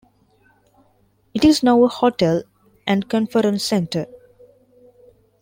It is now a hotel and conference centre.